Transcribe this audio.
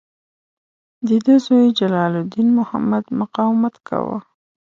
د ده زوی جلال الدین محمد مقاومت کاوه.